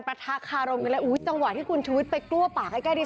ประทักษ์คารมกันเลยจังหวะที่คุณชีวิตไปกล้วปากให้ใกล้ดี